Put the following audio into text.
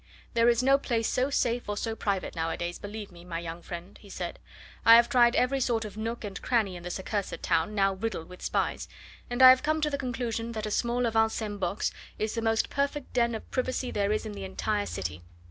"There is no place so safe or so private nowadays, believe me, my young friend," he said "I have tried every sort of nook and cranny in this accursed town, now riddled with spies, and I have come to the conclusion that a small avant scene box is the most perfect den of privacy there is in the entire city.